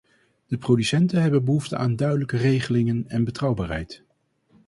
De producenten hebben behoefte aan duidelijke regelingen en betrouwbaarheid.